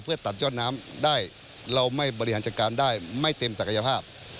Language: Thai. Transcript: เพื่อตัดยอดน้ำได้เราไม่บริหารจัดการได้ไม่เต็มศักยภาพ